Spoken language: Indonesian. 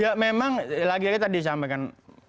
ya memang lagi lagi tadi disampaikan